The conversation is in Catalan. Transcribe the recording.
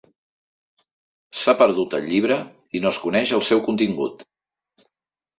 S'ha perdut el llibre i no es coneix el seu contingut.